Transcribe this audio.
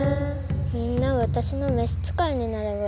みんなわたしのめしつかいになればいいのに。